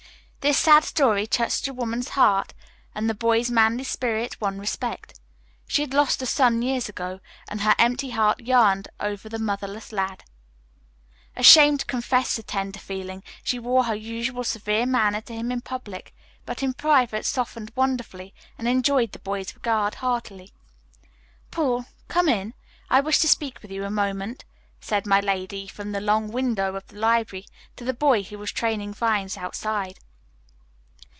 This sad story touched the woman's heart, and the boy's manly spirit won respect. She had lost a son years ago, and her empty heart yearned over the motherless lad. Ashamed to confess the tender feeling, she wore her usual severe manner to him in public, but in private softened wonderfully and enjoyed the boy's regard heartily. "Paul, come in. I want to speak with you a moment," said my lady, from the long window of the library to the boy who was training vines outside.